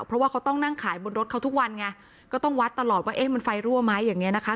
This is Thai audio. เพราะว่าเขาต้องนั่งขายบนรถเขาทุกวันไงก็ต้องวัดตลอดว่าเอ๊ะมันไฟรั่วไหมอย่างเงี้นะคะ